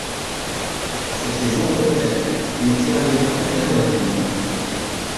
Sur ces entrefaites, nos tirailleurs tâtèrent la ville.